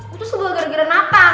gue tuh sebelah gara gara natan